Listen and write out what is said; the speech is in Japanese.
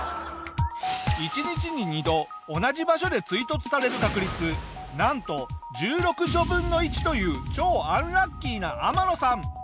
１日に２度同じ場所で追突される確率なんと１６分の１という超アンラッキーなアマノさん。